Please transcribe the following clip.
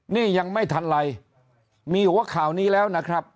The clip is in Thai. นี่ยังไม่ทันไรมีหัวข่าวนี้แล้วนะครับ